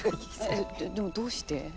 えでもどうして？